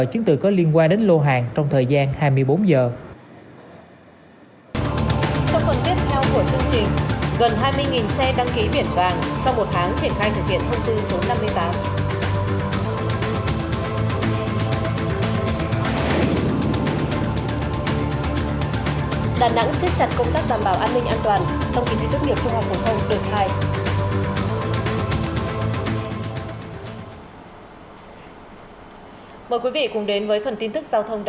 chiến từ có liên quan đến lô hàng trong thời gian hai mươi bốn giờ